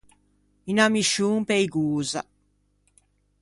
Unna miscion peigosa.